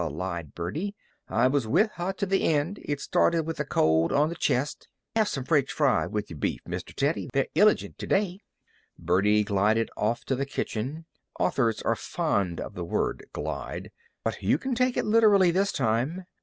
lied Birdie. "I was with her to the end. It started with a cold on th' chest. Have some French fried with yer beef, Mr. Teddy. They're illigent to day." Birdie glided off to the kitchen. Authors are fond of the word "glide." But you can take it literally this time.